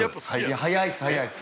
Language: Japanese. ◆早いっす早いっす。